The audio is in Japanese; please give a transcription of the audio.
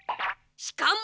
しかも！